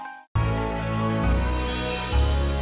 nanti kubawakan bong datang itu gue pengen bererti